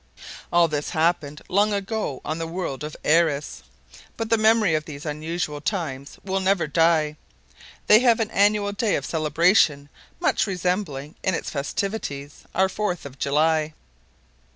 All this happened long ago on the world of Airess. But the memory of these unusual times will never die. They have an annual day of celebration much resembling, in its festivities, our Fourth of July.